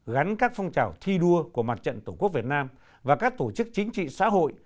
gắn các phong trào thi đua của mặt trận tổ quốc việt nam và các tổ chức chính trị xã hội